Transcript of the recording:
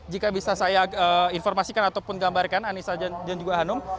jika bisa saya informasikan ataupun gambarkan anissa dan juga hanum